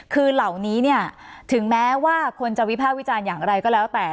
คือเหล่านี้เนี่ยถึงแม้ว่าคนจะวิภาควิจารณ์อย่างไรก็แล้วแต่